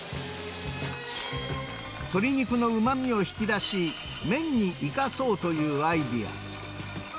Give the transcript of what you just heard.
鶏肉のうまみを引き出し、麺に生かそうというアイデア。